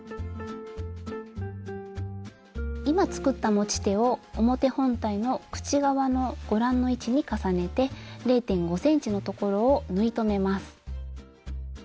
今作った持ち手を表本体の口側のご覧の位置に重ねて０．５ｃｍのところを縫い留めます。